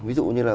ví dụ như là